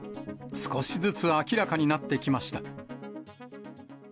少しずつ明らかになってきました。